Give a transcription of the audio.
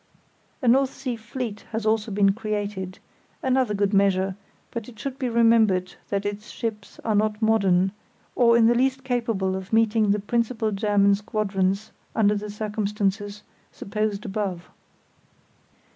A North Sea fleet has also been created—another good measure; but it should be remembered that its ships are not modern, or in the least capable of meeting the principal German squadrons under the circumstances supposed above.